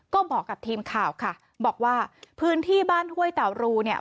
ก็บอกกับทีมข่าวค่ะบอกว่าพื้นที่บ้านห้วยเต่ารูเนี่ย